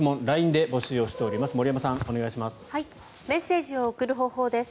ＬＩＮＥで募集しています。